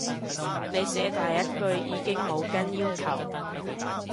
你寫第一句已經冇跟要求